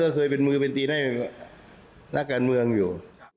ก็เคยเป็นมือเป็นตีนให้นักการเมืองอยู่